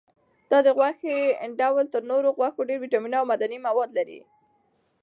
دا د غوښې ډول تر نورو غوښو ډېر ویټامینونه او معدني مواد لري.